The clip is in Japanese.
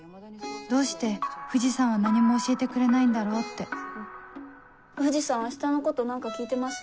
どうして藤さんは何も教えてくれないんだろうって藤さん明日のこと何か聞いてます？